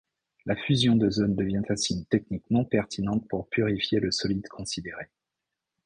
La fusion de zone devient ainsi une technique non-pertinente pour purifier le solide considéré.